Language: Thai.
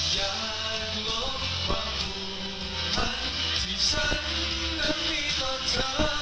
อย่างลบความภูมิที่ฉันนั้นมีตอนเธอ